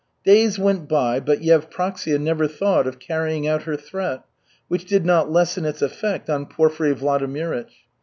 Days went by, but Yevpraksia never thought of carrying out her threat; which did not lessen its effect on Porfiry Vladimirych.